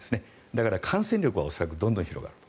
だから、感染力は恐らくどんどん広がる。